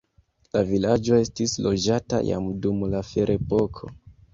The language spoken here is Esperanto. La vilaĝo estis loĝata jam dum la ferepoko.